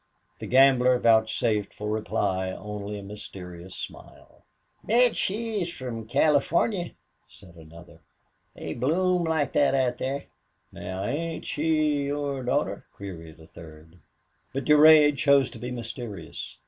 The gambler vouchsafed for reply only a mysterious smile. "Bet she's from California," said another. "They bloom like that out there." "Now, ain't she your daughter?" queried a third. But Durade chose to be mysterious.